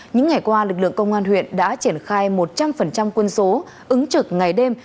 những ngày qua lực lượng công an huyện đã triển khai một trăm linh quân số ứng trực ngày đêm